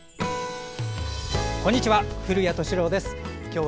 こんにちは。